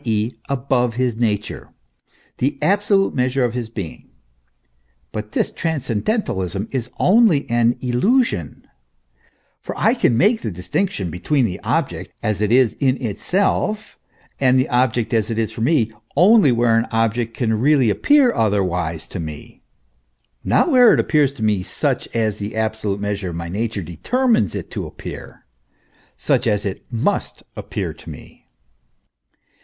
e. above his nature, the absolute measure of his being ; but this transcendentalism is only an illusion ; for I can make the distinction between the object as it is in itself, and the object as it is for me, only where an object can really appear other wise to me, not where it appears to me such as the absolute measure of my nature determines it to appear such as it must appear to me.